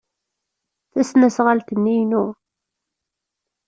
Tasnasɣalt-nni inu.